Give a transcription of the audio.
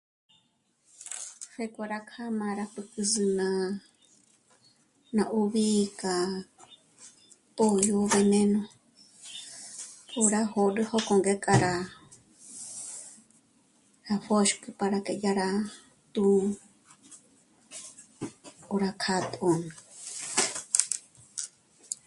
Pjéko rá kjâ'a má rú júk'u zǜ'na, ná 'úbi kja pódyó veneno, pô' rá jórü jókò ngé k'a rá kjàpjöxk'ü para que dyà rá tú'u, ngó rá kjâ'tgö